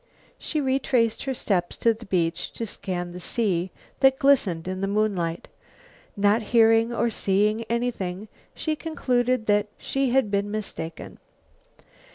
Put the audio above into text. She retraced her steps to the beach to scan the sea that glistened in the moonlight. Not hearing or seeing anything, she concluded that she had been mistaken.